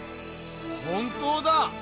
本当だ！